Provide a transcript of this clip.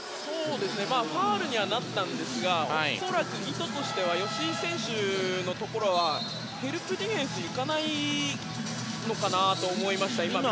ファウルにはなったんですが恐らく、意図としては吉井選手のところはヘルプディフェンスに行かないのかなと思いました。